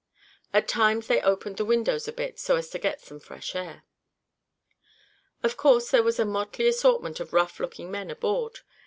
At times they opened the windows a bit, so as to get some fresh air. Of course there was a motley assortment of rough looking men aboard.